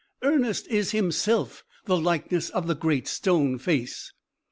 Ernest is himself the likeness of the Great Stone Face."